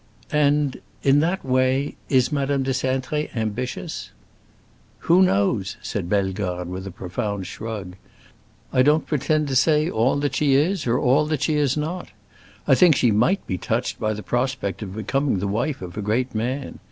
"And—in that way—is Madame de Cintré ambitious?" "Who knows?" said Bellegarde, with a profound shrug. "I don't pretend to say all that she is or all that she is not. I think she might be touched by the prospect of becoming the wife of a great man.